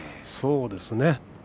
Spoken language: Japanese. そうですね